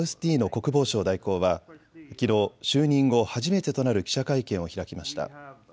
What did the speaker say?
国防相代行はきのう就任後、初めてとなる記者会見を開きました。